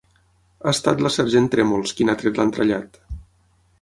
Ha estat la sergent Trèmols qui n'ha tret l'entrellat.